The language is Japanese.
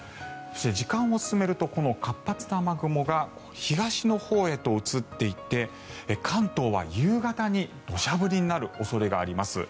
時間を進めるとこの活発な雨雲が東のほうへと移っていって関東は夕方に土砂降りになる恐れがあります。